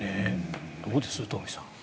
どうです東輝さん。